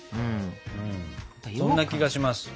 そんな気がします。